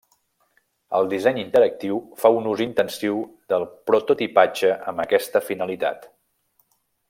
El disseny interactiu fa un ús intensiu del prototipatge amb aquesta finalitat.